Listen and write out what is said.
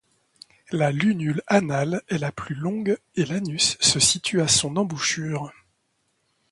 La lunule anale est la plus longue, et l'anus se situe à son embouchure.